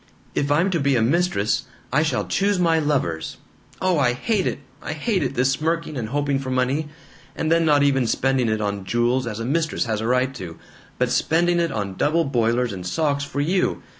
If I'm to be a mistress, I shall choose my lovers. Oh, I hate it I hate it this smirking and hoping for money and then not even spending it on jewels as a mistress has a right to, but spending it on double boilers and socks for you!